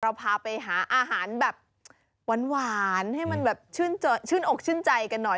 พาไปหาอาหารแบบหวานให้มันแบบชื่นอกชื่นใจกันหน่อย